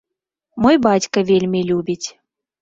Мой бацька вельмі любіць.